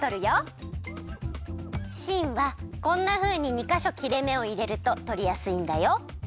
しんはこんなふうに２かしょきれめをいれるととりやすいんだよ。